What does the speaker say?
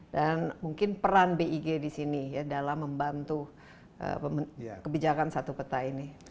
dan mungkin peran big di sini ya dalam membantu kebijakan satu peta ini